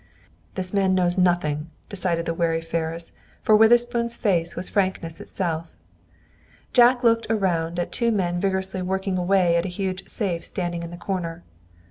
"This man knows nothing," decided the wary Ferris, for Witherspoon's face was frankness itself. Jack looked around at two men vigorously working away at a huge safe standing in the corner.